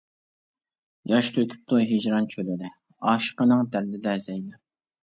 ياش تۆكۈپتۇ ھىجران چۆلىدە، ئاشىقىنىڭ دەردىدە زەينەپ.